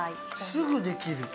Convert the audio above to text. すぐできる。